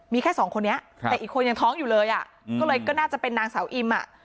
มีแค่สองคนนี้แต่อีกคนยังท้องอยู่เลยอ่ะก็เลยก็น่าจะเป็นนางสาวอิมอ่ะ